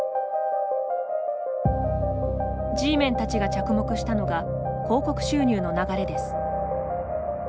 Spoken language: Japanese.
Ｇメンたちが着目したのが広告収入の流れです。